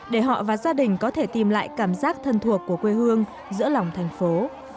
để họ và gia đình có thể tìm lại cảm giác thân thuộc của quê hương giữa lòng thành phố